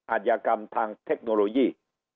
อาจยากรรมทางเทคโนโลยี